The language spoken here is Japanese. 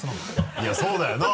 いやそうだよな。